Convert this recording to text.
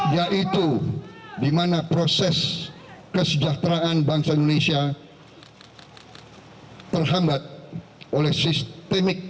yaitu di mana proses kesejahteraan bangsa indonesia terhambat oleh sistemik